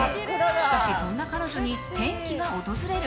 しかし、そんな彼女に転機が訪れる。